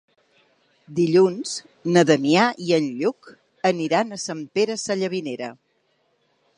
Dilluns na Damià i en Lluc aniran a Sant Pere Sallavinera.